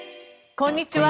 こんにちは。